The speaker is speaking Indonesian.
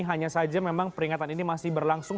hanya saja memang peringatan ini masih berlangsung